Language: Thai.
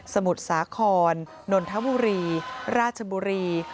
มุทรสาครนนทบุรีราชบุรี